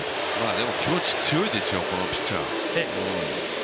でも気持ち強いですよ、このピッチャー。